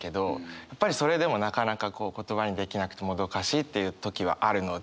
やっぱりそれでもなかなか言葉にできなくてもどかしいっていう時はあるので。